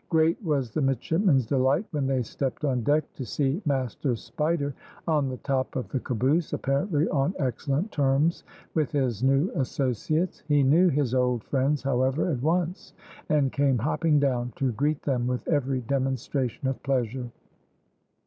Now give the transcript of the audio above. Great was the midshipmen's delight when they stepped on deck to see "Master Spider" on the top of the caboose, apparently on excellent terms with his new associates; he knew his old friends, however, at once, and came hopping down to greet them with every demonstration of pleasure.